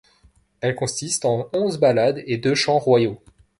Elles consistent en onze ballades et deux chants royaux.